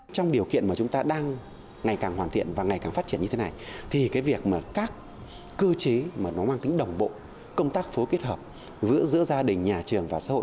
các cơ chế mà nó mang tính đồng bộ công tác phối kết hợp giữa gia đình nhà trường và xã hội